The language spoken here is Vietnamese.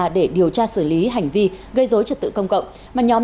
để điều tra xử lý hành vi gây dối trật tự công cộng